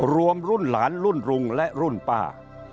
รวมรุ่นหลานรุ่นรุงและรุ่นป้า